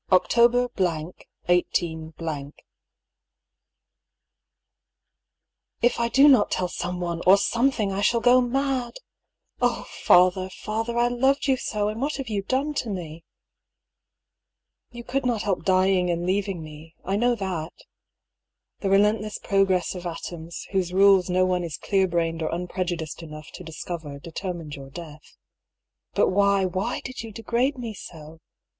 October —, 18—, If I do not tell someone, or something, I shall go mad I Oh I father, father, I loved you so ; and what have you done to me ? You could not help dying and leaving me, I know that. The relentless progress of atoms, whose rules no one is clear brained or unprejudiced enough to discover, determined your death. But why, why did you degrade me so